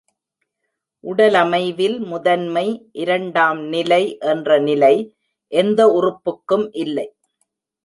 உடலமைவில் முதன்மை, இரண்டாம் நிலை என்ற நிலை எந்த உறுப்புக்கும் இல்லை.